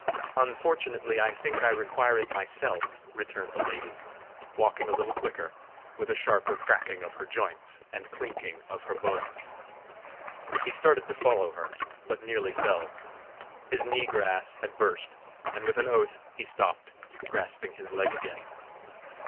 "Unfortunately, I think I require it myself!" returned the lady, walking a little quicker, with a sharper cracking of her joints and clinking of her bones. He started to follow her, but nearly fell: his knee grass had burst, and with an oath he stopped, grasping his leg again.